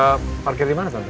eee parkir dimana tante